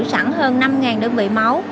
sẵn hơn năm đơn vị máu